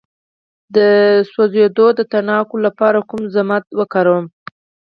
د سوځیدو د تڼاکو لپاره کوم ضماد وکاروم؟